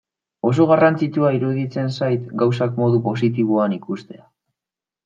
Oso garrantzitsua iruditzen zait gauzak modu positiboan ikustea.